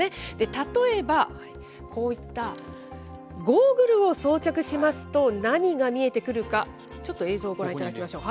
例えばこういったゴーグルを装着しますと、何が見えてくるか、ちょっと映像、ご覧いただきましょう。